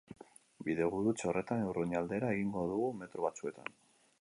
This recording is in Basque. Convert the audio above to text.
Bidegurutze horretan Urruña aldera egingo dugu metro batzuetan.